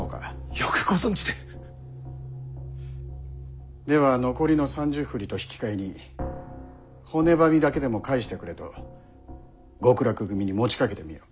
よくご存じで！では残りの３０振と引き換えに骨喰だけでも返してくれと極楽組に持ちかけてみよう。